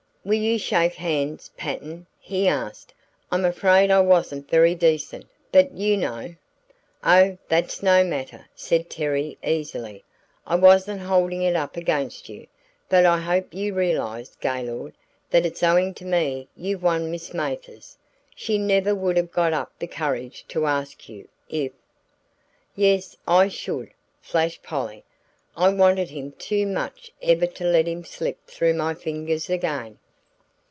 "Will you shake hands, Patten?" he asked. "I'm afraid I wasn't very decent, but you know " "Oh, that's no matter," said Terry, easily. "I wasn't holding it up against you. But I hope you realize, Gaylord, that it's owing to me you've won Miss Mathers. She never would have got up the courage to ask you, if " "Yes, I should!" flashed Polly. "I wanted him too much ever to let him slip through my fingers again."